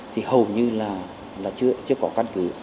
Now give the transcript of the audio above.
thì hầu như là chưa có căn cứ